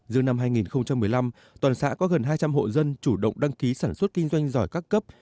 riêng năm hai nghìn một mươi năm toàn xã có gần hai trăm linh hộ dân chủ động đăng ký sản xuất kinh doanh giỏi các cấp